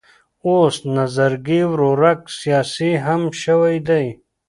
اوس نظرګی ورورک سیاسي هم شوی دی.